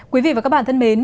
quý vị và các bạn thân mến